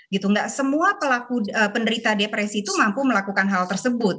tidak semua pelaku penderita depresi itu mampu melakukan hal tersebut